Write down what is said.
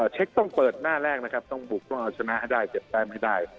เชคต้องเปิดหน้าแรกนะครับต้องบุกว่าชนะได้๗แปมให้ได้